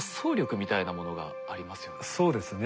そうですね。